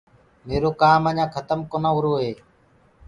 ميرو ڪآم اڃآ کتم ڪونآ هورو هي۔